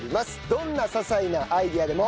どんな些細なアイデアでも。